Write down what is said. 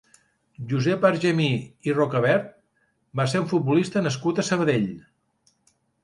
Josep Argemí i Rocabert va ser un futbolista nascut a Sabadell.